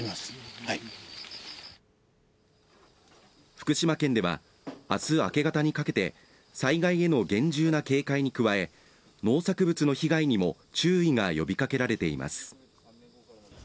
福島県では明日明け方にかけて災害への厳重な警戒に加え農作物の被害にも注意が呼びかけられています。